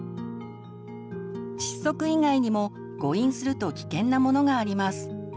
窒息以外にも誤飲すると危険なものがあります。